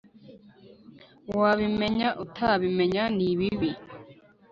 wabimenya utabimenya ni bibi